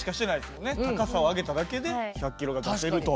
高さを上げただけで１００キロが出せると。